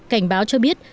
cảnh báo cho biết